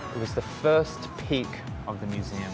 ini adalah titik pertama di museum